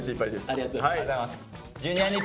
ありがとうございます。